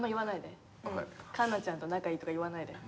環奈ちゃんと仲いいとか言わないで。